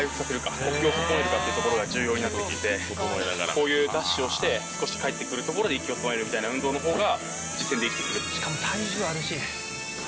こういうダッシュをして少し帰ってくるところで息を整えるみたいな運動の方が。